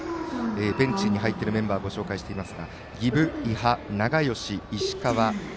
ベンチに入っているメンバーをご紹介しています。